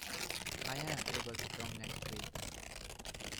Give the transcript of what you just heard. I am able to come next week.